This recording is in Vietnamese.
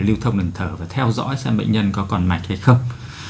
lưu thông lần thở và theo dõi xem bệnh nhân có còn mạch hay không